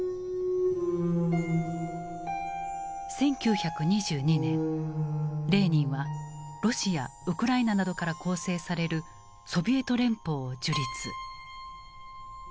１９２２年レーニンはロシアウクライナなどから構成されるソビエト連邦を樹立。